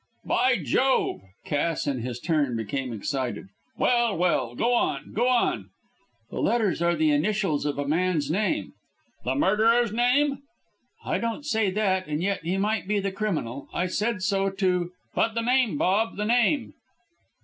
"By Jove!" Cass in his turn became excited. "Well, well, go on go on." "The letters are the initials of a man's name." "The murderer's name?" "I don't say that, and yet he might be the criminal. I said so to " "But the name, Bob, the name?"